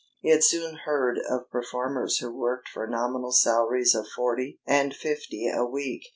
He had soon heard of performers who worked for "nominal" salaries of forty and fifty a week.